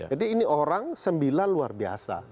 ini orang sembilan luar biasa